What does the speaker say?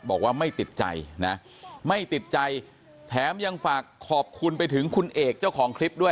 บอกว่าไม่ติดใจนะไม่ติดใจแถมยังฝากขอบคุณไปถึงคุณเอกเจ้าของคลิปด้วย